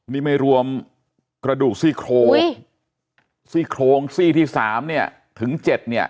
นี่ไม่รวมกระดูกซี่โครงซี่โครงซี่ที่สามเนี่ยถึงเจ็ดเนี่ย